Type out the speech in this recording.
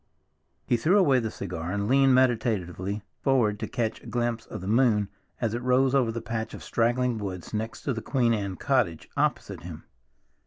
He threw away the cigar and leaned meditatively forward to catch a glimpse of the moon as it rose over the patch of straggling woods next to the Queen Anne cottage opposite him.